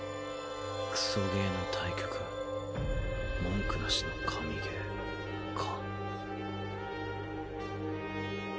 クソゲーの対極文句なしの神ゲーか。